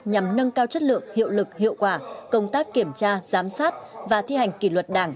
nhằm nâng cao chất lượng hiệu lực hiệu quả công tác kiểm tra giám sát và thi hành kỷ luật đảng